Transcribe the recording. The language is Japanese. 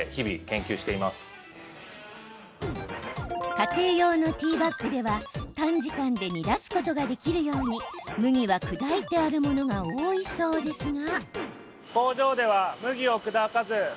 家庭用のティーバッグでは短時間で煮出すことができるように麦は砕いてあるものが多いそうですが。